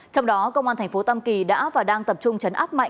trong đó công an tp tâm kỳ đã và đang tập trung chấn áp mạnh